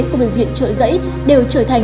của bệnh viện chợ giấy đều trở thành